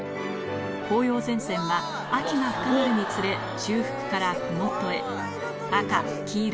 紅葉前線は秋が深まるにつれ中腹から麓へ赤黄色